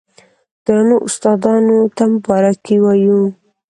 درنو استادانو ته مبارکي وايو،